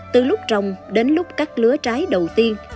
từ lúc trồng đến lúc cắt lứa trái đầu tiên